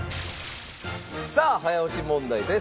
さあ早押し問題です。